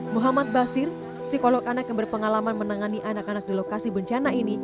muhammad basir psikolog anak yang berpengalaman menangani anak anak di lokasi bencana ini